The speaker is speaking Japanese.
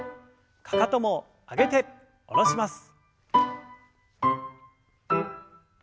かかとも上げて下ろします。